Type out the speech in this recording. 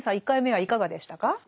１回目はいかがでしたか？